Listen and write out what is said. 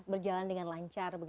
berjalan dengan lancar